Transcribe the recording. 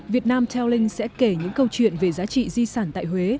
việt nam telling sẽ kể những câu chuyện về giá trị di sản tại huế